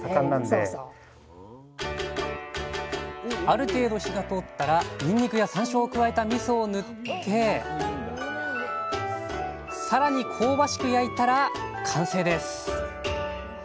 ある程度火が通ったらにんにくやさんしょうを加えたみそを塗ってさらに香ばしく焼いたら完成です